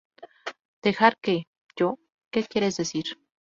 ¿ Dejar qué? Yo... ¿ qué quieres decir?